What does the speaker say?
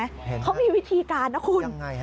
เห็นครับยังไงครับเขามีวิธีการนะคุณ